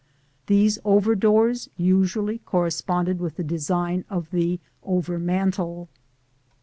These over doors usually corresponded with the design of the over mantel.